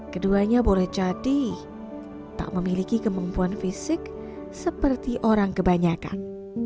keduanya boleh jadi tak memiliki kemampuan fisik seperti orang kebanyakan